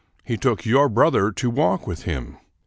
He took your brother to walk with him.